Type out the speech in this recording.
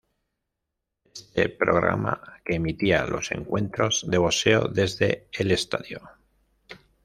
Este programa, que emitía los encuentros de boxeo desde el St.